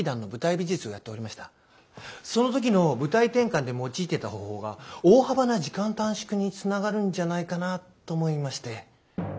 その時の舞台転換で用いてた方法が大幅な時間短縮につながるんじゃないかなと思いまして。